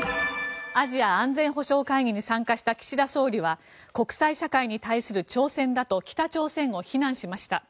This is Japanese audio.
アジア安全保障会議に参加した岸田総理は国際社会に対する挑戦だと北朝鮮を非難しました。